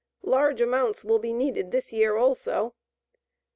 Large amounts will be needed this year also.